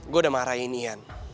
gue udah marahin ian